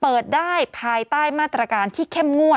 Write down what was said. เปิดได้ภายใต้มาตรการที่เข้มงวด